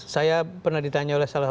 saya pernah ditanya oleh salah